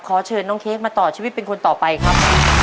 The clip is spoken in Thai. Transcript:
ขอเชิญน้องเค้กมาต่อชีวิตเป็นคนต่อไปครับ